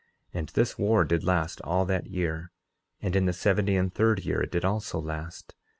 And this war did last all that year; and in the seventy and third year it did also last.